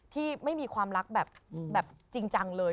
ที่ไม่มีความรักแบบจริงจังเลย